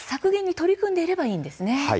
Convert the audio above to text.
取り組んでいればいいんですね。